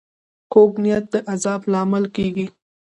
کوږ نیت د عذاب لامل کېږي